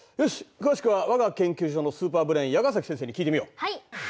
詳しくは我が研究所のスーパーブレーン矢ケ先生に聞いてみよう。